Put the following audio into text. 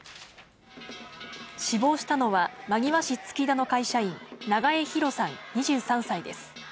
死亡したのは、真庭市月田の会社員、長江比呂さん２３歳です。